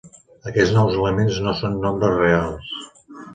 Aquests nous elements no són nombres reals.